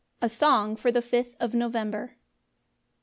A song for the fifth of November.